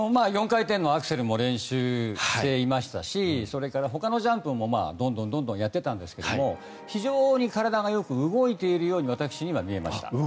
４回転のアクセルも練習していましたしそれからほかのジャンプもどんどんやってたんですが非常に体がよく動いているように私には見えました。